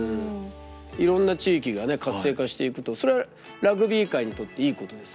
いろんな地域がね活性化していくとそれはラグビー界にとっていいことですもんね。